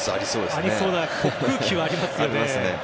ありそうな空気はありますよね。